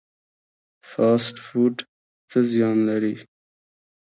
فاسټ فوډ څه زیان لري؟